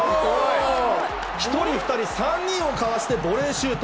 １人、２人、３人をかわしてボレーシュート。